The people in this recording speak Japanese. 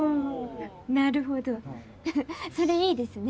なるほどそれいいですね。